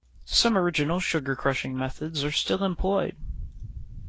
Some original sugar-crushing methods are still employed.